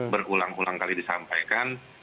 berulang ulang kali disampaikan